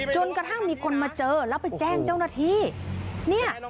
จนกระทั่งมีคนมาเจอแล้วไปแจ้งเจ้าหน้าที่เนี่ย